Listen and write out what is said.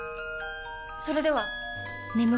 それでは！